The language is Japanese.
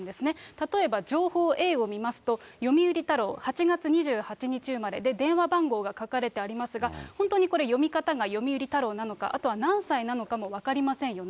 例えば、情報Ａを見ますと、読売太郎８月２８日生まれ、電話番号が書かれていますが、本当にこれ、読み方がよみうりたろうなのか、あとは何歳なのかも分かりませんよね。